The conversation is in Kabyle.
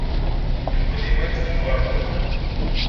Yewwi-d iman-is deg uɣerbaz.